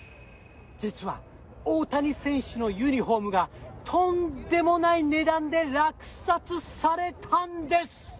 実は、大谷選手のユニホームが、とんでもない値段で落札されたんです。